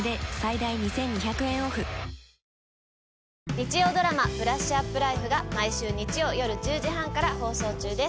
日曜ドラマ『ブラッシュアップライフ』が毎週日曜夜１０時半から放送中です。